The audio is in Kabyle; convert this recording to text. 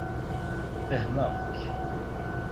Fehmeɣ-k.